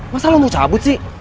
masa lo mau cabut sih